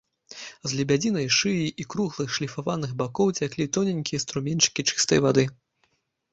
З лебядзінай шыі і круглых шліфаваных бакоў цяклі тоненькія струменьчыкі чыстай вады.